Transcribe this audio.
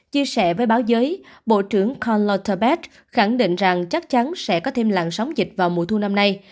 chia sẻ với báo giới bộ trưởng con lottebeth khẳng định rằng chắc chắn sẽ có thêm làn sóng dịch vào mùa thu năm nay